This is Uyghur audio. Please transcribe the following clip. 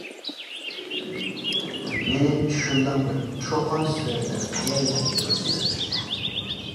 مېنى شۇنداق بىر چۇقان-سۈرەنلەر قەيەرلەرگىدۇر سۆرىمەكتە.